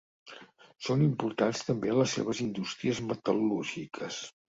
Són importants també les seves indústries metal·lúrgiques.